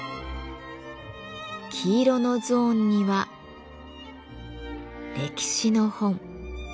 黄色のゾーンには歴史の本。